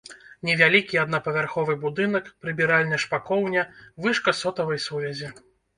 Невялікі аднапавярховы будынак, прыбіральня-шпакоўня, вышка сотавай сувязі.